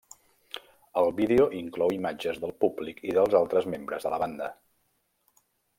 El vídeo inclou imatges del públic i dels altres membres de la banda.